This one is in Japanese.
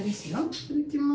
いただきます。